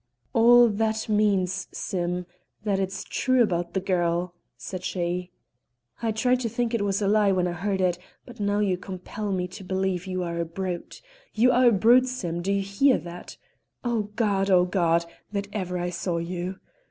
"All that means, Sim, that it's true about the girl," said she. "I tried to think it was a lie when I heard it, but now you compel me to believe you are a brute. You are a brute, Sim, do you hear that? Oh God! oh God! that ever I saw you!